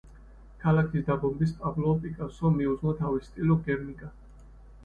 ქალაქის დაბომბვას პაბლო პიკასომ მიუძღვნა თავისი ტილო „გერნიკა“.